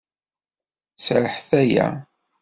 Sriḥet aya.